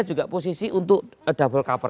juga posisi untuk double cover